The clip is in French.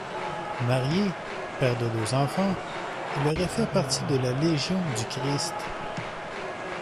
Marié, père de deux enfants, il aurait fait partie de la Légion du Christ.